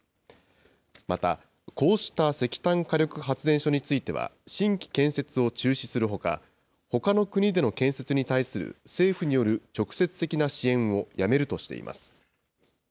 また、こうした石炭火力発電所については、新規建設を中止するほか、ほかの国での建設に対する政府による直接的な支援をやめるとしています。